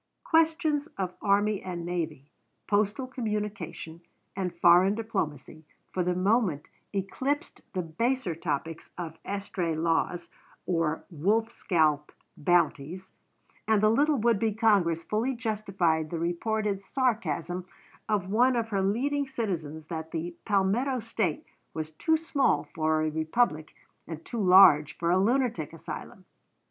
Questions of army and navy, postal communication, and foreign diplomacy, for the moment eclipsed the baser topics of estray laws or wolf scalp bounties, and the little would be Congress fully justified the reported sarcasm of one of her leading citizens that "the Palmetto State was too small for a republic and too large for a lunatic asylum."